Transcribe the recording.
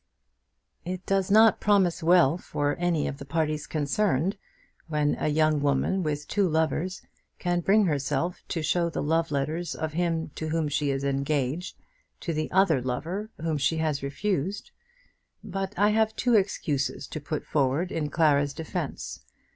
It does not promise well for any of the parties concerned when a young woman with two lovers can bring herself to show the love letters of him to whom she is engaged to the other lover whom she has refused! But I have two excuses to put forward in Clara's defence.